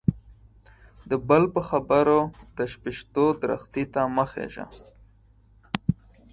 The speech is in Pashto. د بل په خبرو د شپيشتو درختي ته مه خيژه.